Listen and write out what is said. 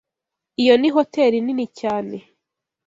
Iyo ni hoteri nini cyane